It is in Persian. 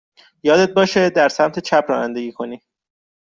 یادت باشد در سمت چپ رانندگی کنی.